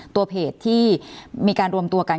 ตัวเพจที่มีการรวมตัวกัน